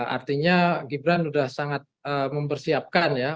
artinya gibran sudah sangat mempersiapkan ya